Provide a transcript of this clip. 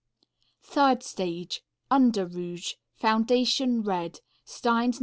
Third stage. Under rouge; foundation red; Stein's No.